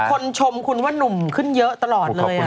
ชมคุณว่านุ่มขึ้นเยอะตลอดเลย